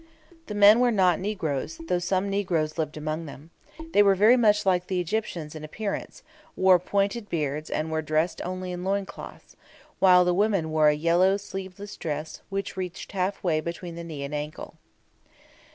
The men were not negroes, though some negroes lived among them; they were very much like the Egyptians in appearance, wore pointed beards, and were dressed only in loincloths, while the women wore a yellow sleeveless dress, which reached halfway between the knee and ankle.